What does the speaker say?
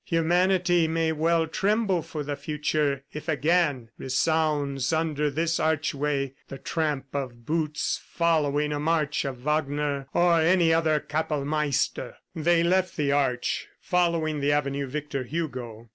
Humanity may well tremble for the future if again resounds under this archway the tramp of boots following a march of Wagner or any other Kapellmeister." They left the Arch, following the avenue Victor Hugo.